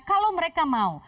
kalau mereka mau